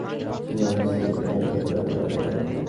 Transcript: ধরেছি, উনি যেন পড়ে না যায়!